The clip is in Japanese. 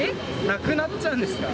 なくなっちゃうんですか。